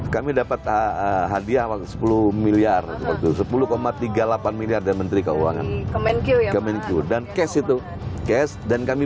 kami dapat hadiah waktu sepuluh miliar sepuluh tiga puluh delapan miliar dan menteri keuangan dan kes itu kes dan kami